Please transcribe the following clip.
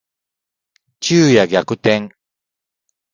昼夜逆転